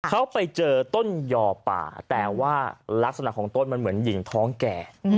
เขาไปเจอต้นยอป่าแต่ว่ารักษณะของต้นมันเหมือนหญิงท้องแก่